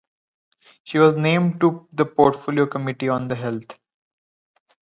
She was named to the Portfolio Committee on Health.